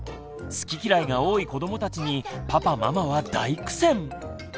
好き嫌いが多い子どもたちにパパママは大苦戦。